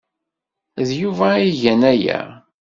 D Yuba ay igan aya.